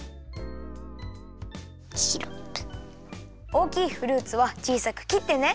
おおきいフルーツはちいさくきってね。